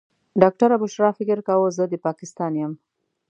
ډاکټره بشرا فکر کاوه زه د پاکستان یم.